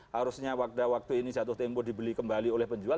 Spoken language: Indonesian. harusnya waktu ini jatuh tempo dibeli kembali oleh penjual